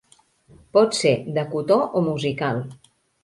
Pot ser de cotó o musical.